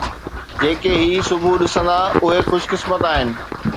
جيڪي هي صبح ڏسندا آهن اهي خوش قسمت آهن.